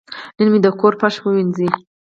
نن مې د کور فرش ووینځه.